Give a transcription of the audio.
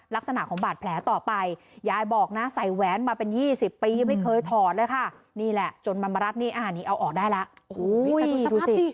ลักษณะของบาดแผลต่อไปยายบอกนะใส่แหวนมาเป็น๒๐ปีไม่เคยถอดเลยค่ะนี่แหละจนมันมารัดนี่อันนี้เอาออกได้แล้วโอ้โหดูสิ